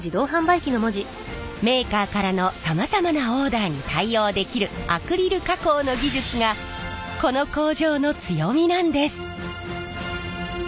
メーカーからのさまざまなオーダーに対応できるアクリル加工の技術がこの工場の強みなんです。